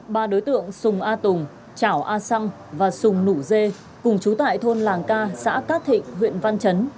ba đối tượng sùng a tùng chảo a sang và sùng nụ dê cùng chú tại thôn làng ca xã cát thịnh huyện văn chấn